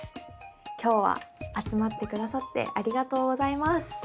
今日は集まってくださってありがとうございます。